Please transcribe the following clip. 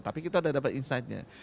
tapi kita sudah dapat insightnya